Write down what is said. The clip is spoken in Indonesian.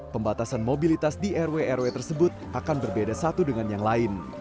pembatasan mobilitas di rw rw tersebut akan berbeda satu dengan yang lain